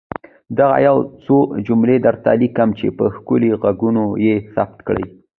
دغه يو څو جملې درته ليکم چي په ښکلي ږغونو يې ثبت کړئ.